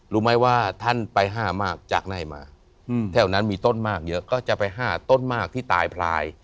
รู้ไหมว่าท่านไปห้ามากจากไหนมาแถวนั้นมีต้นมากเยอะก็จะไป๕ต้นมากที่ตายพลาย